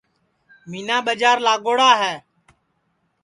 مینا ٻجار لاڳوڑا ہے